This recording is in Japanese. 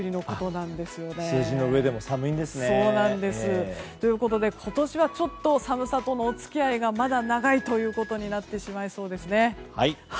数字の上でも寒いんですね。ということで、今年はちょっと寒さとのお付き合いがまだ長いということになってしまいそうです。